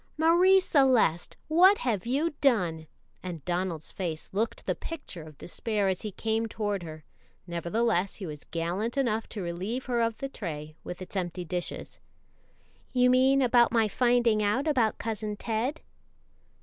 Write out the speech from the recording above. "Marie Celeste, what have you done?" and Donald's face looked the picture of despair as he came toward her; nevertheless, he was gallant enough to relieve her of the tray, with its empty dishes. "You mean about my finding out about Cousin Ted?"